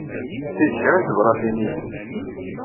Ti d kra n tebṛatin i kemm.